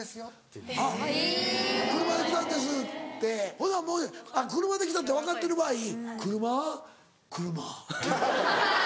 ほんならもう車で来たって分かってる場合「車ぁ？」